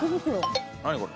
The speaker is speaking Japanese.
何これ？